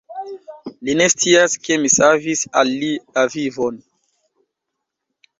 Li ne scias, ke mi savis al li la vivon!